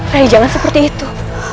rai jangan seperti itu